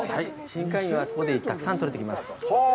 深海魚がそこでたくさん取れてきます。